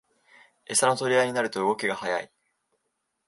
エサの取り合いになると動きが速い